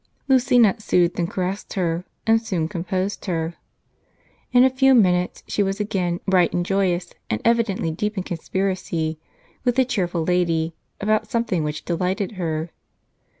Lucina soothed and caressed her, and soon composed her. In a few minutes she was again bright and joyous, and evidently deep in conspiracy, with the cheerful lady, about something which delighted her.